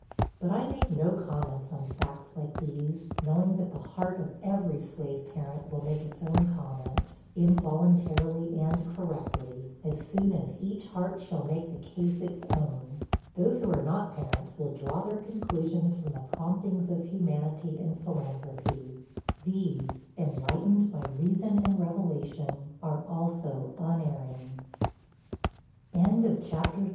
But I make no comments on facts like these, knowing that the heart of every slave parent will make its own comments, involuntarily and correctly, as soon as each heart shall make the case its own. Those who are not parents will draw their conclusions from the promptings of humanity and philanthropy: these, enlightened by reason and revelation, are also unerring. HER RELIGIOUS INSTRUCTION.